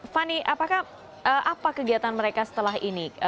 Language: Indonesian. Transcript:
fani apakah apa kegiatan mereka setelah ini